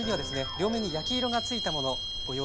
両面に焼き色がついたものご用意しています。